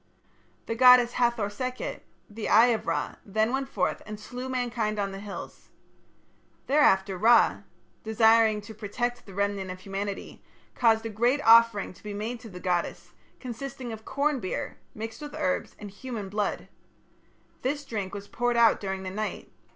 The goddess Hathor Sekhet, the Eye of Ra, then went forth and slew mankind on the hills. Thereafter Ra, desiring to protect the remnant of humanity, caused a great offering to be made to the goddess, consisting of corn beer mixed with herbs and human blood. This drink was poured out during the night.